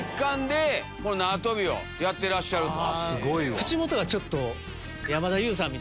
口元がちょっと。